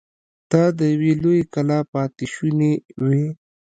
دا د يوې لويې کلا پاتې شونې وې.